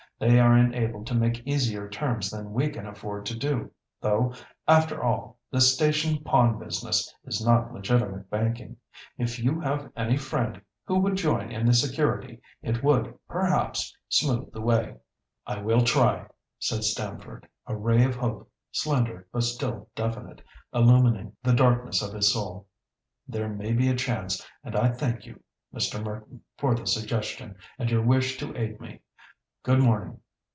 They are enabled to make easier terms than we can afford to do; though, after all, this station pawn business is not legitimate banking. If you have any friend who would join in the security it would, perhaps, smooth the way." "I will try," said Stamford, a ray of hope, slender but still definite, illumining the darkness of his soul. "There may be a chance, and I thank you, Mr. Merton, for the suggestion, and your wish to aid me. Good morning!"